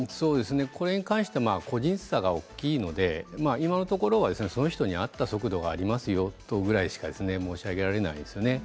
これに関しては個人差が大きいので今のところはその人にあった速度がありますよぐらいしか申し上げられないですね。